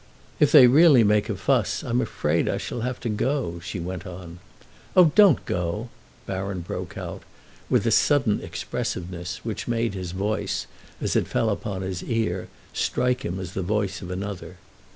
"If they really make a fuss I'm afraid I shall have to go," she went on. "Oh, don't go!" Baron broke out, with a sudden expressiveness which made his voice, as it fell upon his ear, strike him as the voice of another.